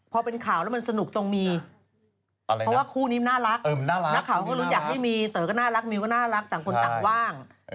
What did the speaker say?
เขาพิดให้มีเต๋อก็น่ารักมิวก็น่ารักแต่คุณต่างว่าง